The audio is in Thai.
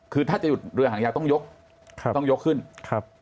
คือถ้าจะหยุดเรือหางยาวต้องยกครับต้องยกขึ้นครับ